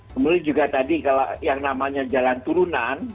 kemudian juga tadi kalau yang namanya jalan turunan